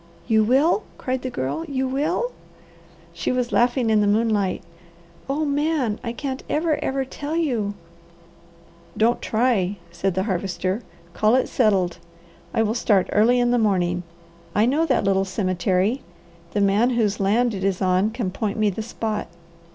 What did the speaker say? "You will?" cried the Girl. "You will?" She was laughing in the moonlight. "Oh Man, I can't ever, ever tell you!" "Don't try," said the Harvester. "Call it settled. I will start early in the morning. I know that little cemetery. The man whose land it is on can point me the spot.